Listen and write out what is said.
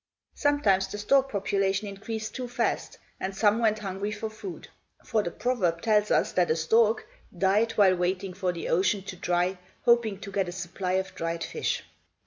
Sometimes the stork population increased too fast and some went hungry for food; for, the proverb tells us that a stork "died while waiting for the ocean to dry, hoping to get a supply of dried fish."